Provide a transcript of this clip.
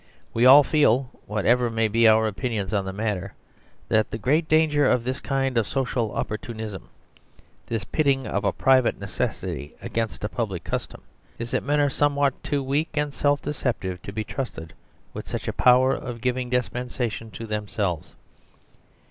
We all feel, whatever may be our opinions on the matter, that the great danger of this kind of social opportunism, this pitting of a private necessity against a public custom, is that men are somewhat too weak and self deceptive to be trusted with such a power of giving dispensations to themselves.